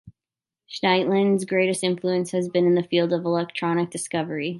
Scheindlin's greatest influence has been in the field of electronic discovery.